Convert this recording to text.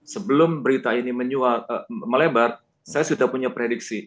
sebelum berita ini melebar saya sudah punya prediksi